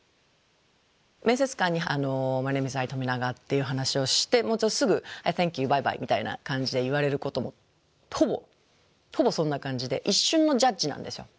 面接官に「マイネームイズアイ・トミナガ」っていう話をしてもすぐ「サンキューバイバイ」みたいな感じで言われることもほぼほぼそんな感じで一瞬のジャッジなんですよ。